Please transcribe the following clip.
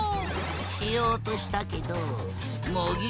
しようとしたけど茂木